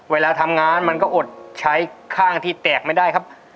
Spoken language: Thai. เวลาทำงานมันก็อดใช้ข้างที่แตกไม่ได้ครับ